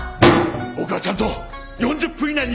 僕はちゃんと４０分以内に切り上げた！